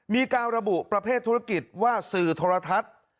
มีการระบุประเภทธุรกิจว่าสื่อโทรทัศน์